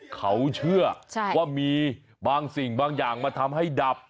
เขาเชื่อว่ามีบางสิ่งบางอย่างมาทำให้ดับ